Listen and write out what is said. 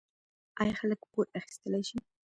آیا خلک پور اخیستلی شي؟